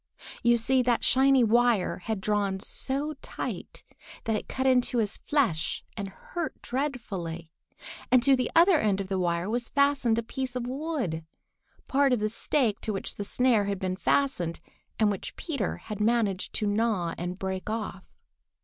You see that shiny wire was drawn so tight that it cut into his flesh and hurt dreadfully, and to the other end of the wire was fastened a piece of wood, part of the stake to which the snare had been made fast and which Peter had managed to gnaw and break off.